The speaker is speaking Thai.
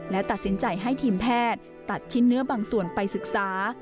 และตัดสินใจให้ทีมแพทย์ตัดชิ้นเนื้อบางส่วนไปศึกษา